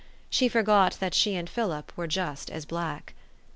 She forgot that she and Philip were just as black.